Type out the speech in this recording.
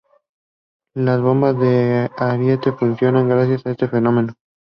Las bombas de ariete funcionan gracias a este fenómeno.